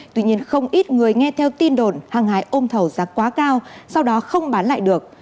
tuy nhiên không ít người nghe theo tin đồn hàng hải ôm thầu giá quá cao sau đó không bán lại được